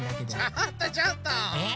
ちょっとちょっと！え？